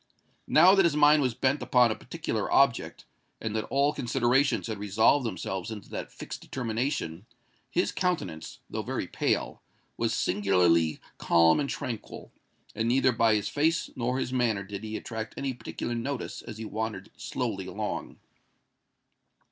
Now that his mind was bent upon a particular object, and that all considerations had resolved themselves into that fixed determination, his countenance, though very pale, was singularly calm and tranquil; and neither by his face nor his manner did he attract any particular notice as he wandered slowly along.